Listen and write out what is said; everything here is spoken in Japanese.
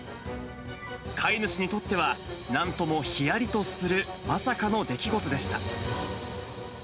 飼い主にとっては、なんともひやりとするまさかの出来事でした。